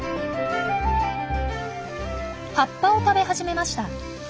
葉っぱを食べ始めました。